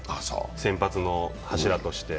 先発の柱として。